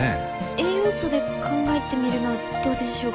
栄養素で考えてみるのはどうでしょうか？